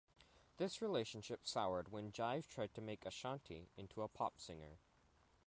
This relationship soured when Jive tried to make Ashanti into a pop singer.